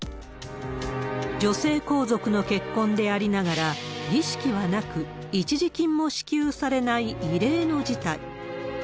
女性皇族の結婚でありながら、儀式はなく、一時金も支給されない異例の事態。